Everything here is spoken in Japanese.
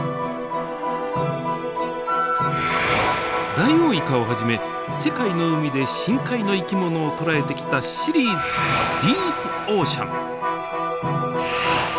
ダイオウイカをはじめ世界の海で深海の生き物を捉えてきたシリーズ「ディープオーシャン」。